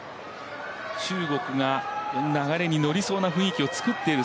中国が流れに乗りそうな雰囲気作っている。